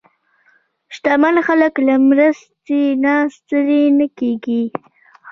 شتمن خلک له مرستې نه ستړي نه کېږي.